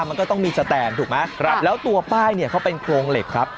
มันก็ต้องมีสแตนถูกไหมครับแล้วตัวป้ายเนี่ยเขาเป็นโครงเหล็กครับ